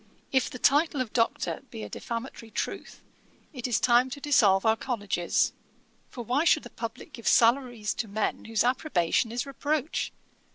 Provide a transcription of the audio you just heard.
If the title of Doctor be a defamatory truth, it is time to dissolve our colleges; for why should the publick give salaries to men whose approbation is reproach?